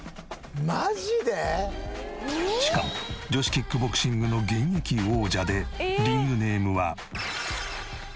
しかも女子キックボクシングの現役王者でリングネームは。